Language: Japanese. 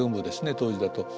当時だと。